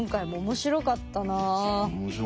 面白かったね。